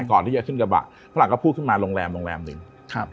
ก่อนที่จะขึ้นกระบะฝรั่งก็พูดขึ้นมาโรงแรมโรงแรมหนึ่งครับ